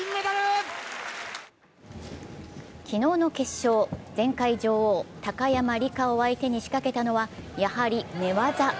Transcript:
昨日の決勝、前回女王・高山莉加を相手に仕掛けたのはやはり寝技。